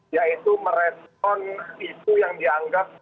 yaitu merespon isu yang dianggap